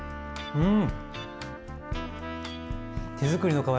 うん。